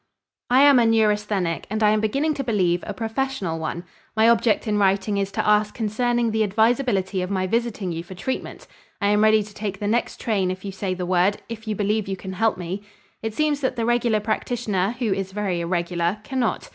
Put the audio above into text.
"I am a neurasthenic, and I am beginning to believe, a professional one. My object in writing is to ask concerning the advisability of my visiting you for treatment. I am ready to take the next train if you say the word, if you believe you can help me. It seems that the regular practitioner, who is very irregular, cannot.